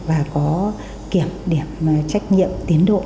và có kiểm điểm trách nhiệm tiến độ